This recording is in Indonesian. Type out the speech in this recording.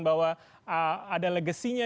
bahwa ada legasinya